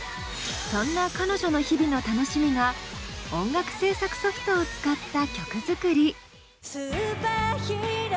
そんな彼女の日々の楽しみが音楽制作ソフトを使った曲作り。